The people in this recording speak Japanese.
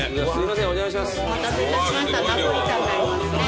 お待たせいたしましたナポリタンになりますね。